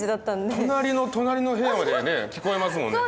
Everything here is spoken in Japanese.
隣の隣の部屋まで聞こえますもんね